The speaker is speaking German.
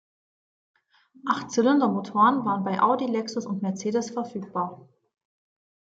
Achtzylindermotoren waren bei Audi, Lexus und Mercedes verfügbar.